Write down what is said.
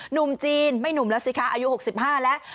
หนุ่มจีนไม่หนุ่มแล้วสิคะอายุ๖๕แล้ว